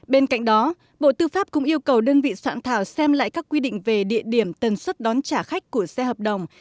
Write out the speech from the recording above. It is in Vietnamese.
bên cạnh đó bộ tư pháp cũng yêu cầu đơn vị soạn thảo xem lại các quy định về địa điểm tần suất đón trả khách của xe hợp đồng